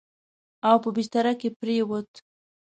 او په بستره کې پرېووت.